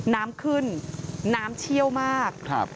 น้ำขึ้นน้ำเชี่ยวมาก